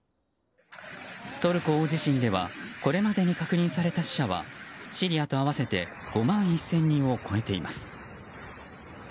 トルコ大地震ではこれまでに確認された死者はシリアと合わせて５万１０００人を超えています。